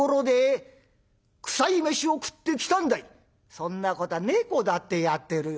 「そんなことは猫だってやってるよ」。